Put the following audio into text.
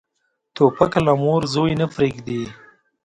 توپک له مور زوی نه پرېږدي.